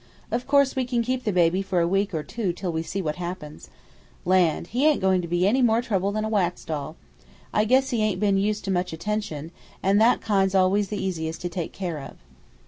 Of course, we can keep the baby for a week or two till we see what happens. Land! He ain't goin' to be any more trouble than a wax doll! I guess he ain't been used to much attention, and that kind's always the easiest to take care of."